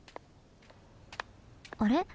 あれ？